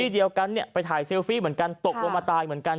เดียวกันเนี่ยไปถ่ายเซลฟี่เหมือนกันตกลงมาตายเหมือนกัน